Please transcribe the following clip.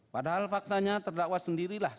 padahal faktanya terdakwa sendirilah